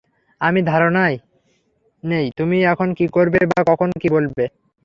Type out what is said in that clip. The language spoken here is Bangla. আমি ধারণাই নেই তুমি কখন কী করবে বা কখন কী বলবে।